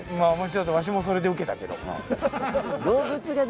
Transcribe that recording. ワシもそれで受けたけど。